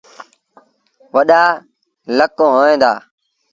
وڏآ لڪ هوئيݩ دآ۔